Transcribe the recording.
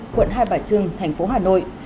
quận hai bà trương thành phố hà nội